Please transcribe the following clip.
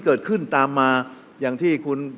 เกิดขึ้นตามมาอย่างที่คุณ